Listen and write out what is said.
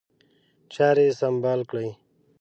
چاري سمبال کړي.